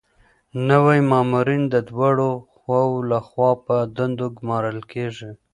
نوي مامورین د دواړو خواوو لخوا په دنده ګمارل کیږي.